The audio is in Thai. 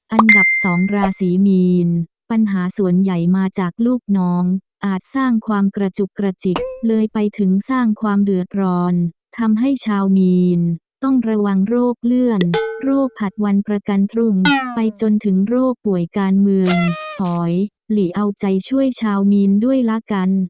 อันดับ๒ราศีมีนปัญหาส่วนใหญ่มาจากลูกน้องอาจสร้างความกระจุกกระจิกเลยไปถึงสร้างความเดือดร้อนทำให้ชาวมีนต้องระวังโรคเลื่อนโรคผัดวันประกันพรุ่งไปจนถึงโรคป่วยการเมืองหอยหลีเอาใจช่วยชาวมีนด้วยละกัน